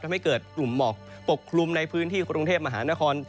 ทำให้เกิดกลุ่มหมอกปกคลุมในพื้นที่กรุงเทพมหานคร